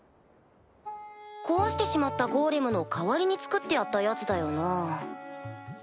壊してしまったゴーレムの代わりに作ってやったヤツだよな。